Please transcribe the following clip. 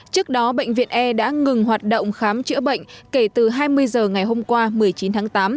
trước đó bệnh viện e đã ngừng hoạt động khám chữa bệnh kể từ hai mươi h ngày hôm qua một mươi chín tháng tám